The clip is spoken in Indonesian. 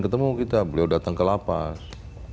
ketemu kita beliau datang ke lapas